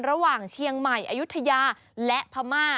ระหว่างเชียงใหม่อายุทยาและพม่า